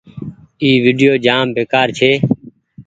اي ويڊيو جآم بيڪآر ڇي۔